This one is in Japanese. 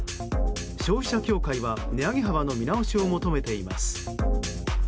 消費者協会は値上げ幅の見直しを求めています。